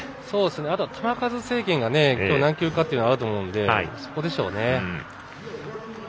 そうですね、あとは球数制限が今日何球かというのがあると思うのでそこでしょうね。